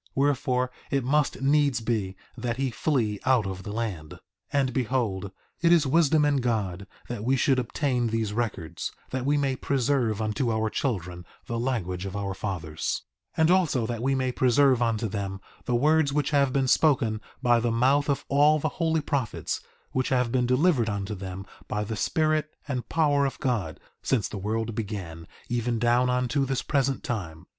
Wherefore, it must needs be that he flee out of the land. 3:19 And behold, it is wisdom in God that we should obtain these records, that we may preserve unto our children the language of our fathers; 3:20 And also that we may preserve unto them the words which have been spoken by the mouth of all the holy prophets, which have been delivered unto them by the Spirit and power of God, since the world began, even down unto this present time.